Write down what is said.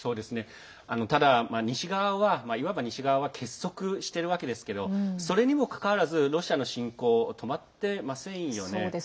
ただ、いわば西側は結束しているわけですけどそれにもかかわらずロシアの侵攻止まってませんよね。